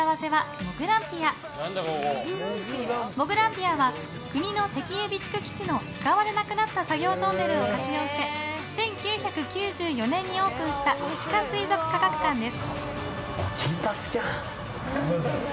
もぐらんぴあは国の石油備蓄基地の使われなくなった作業トンネルを活用して１９９４年にオープンした地下水族科学館です。